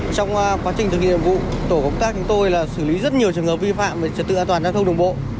trong quá trình thực hiện động vụ tổ công tác mein tôi xử lý rất nhiều trường hợp vi phạm về trật tự an toàn giao thông đường bộ